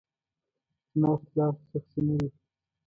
زما اختلاف شخصي نه دی.